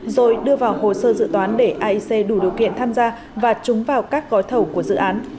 rồi đưa vào hồ sơ dự toán để aic đủ điều kiện tham gia và trúng vào các gói thầu của dự án